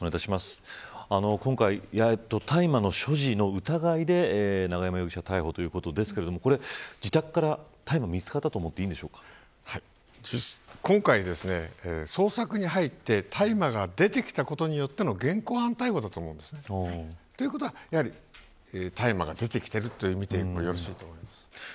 今回、大麻の所持の疑いで永山容疑者を逮捕ということですが自宅から大麻が見つかったと思っていいん今回捜索に入って大麻が出てきたことによっての現行犯逮捕だと思うんです。ということは大麻が出てきているとみてよろしいと思います。